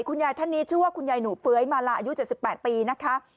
คุณยายท่านนี้ชื่อว่าคุณยายหนูเฟ้ยมาลาอายุ๗๘ปีนะคะ